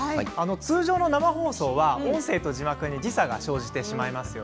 通常の生放送では、音声と字幕に時差が生じてしまいます。